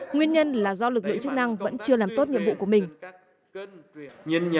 nguyên nhân là do lực lượng chức năng vẫn chưa làm tốt nhiệm vụ của mình